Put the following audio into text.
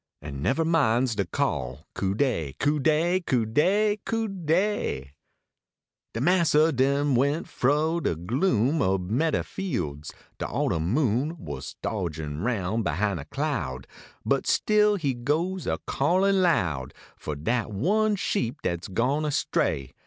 An never minds de call Cu dev ! Cu dey ! Cu dey ! Cu dey !" De massa then went fro de gloom. Ob medder fit Ids. De autumn moon Wasdoclgin roun behin a cloud. But still he goes a callin loud, For dat one sheep dat s gone astray.